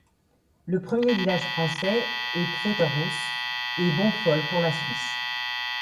Le premier village français est Pfetterhouse et Bonfol pour la Suisse.